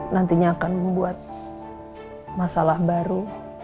nantinya akan membuat masalah baru